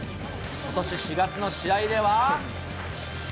ことし４月の試合では。